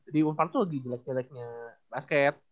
di umpar tuh lagi jelek jeleknya basket